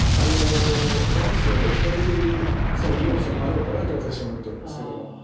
「万声」を超えているその要素もあろうかなと私は思っておりますけども。